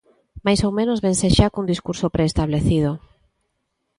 Máis ou menos vense xa cun discurso preestablecido.